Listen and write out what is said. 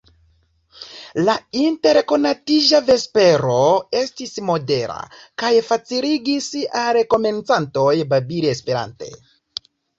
La interkonatiĝa vespero estis modela, kaj faciligis al komencantoj babili Esperante.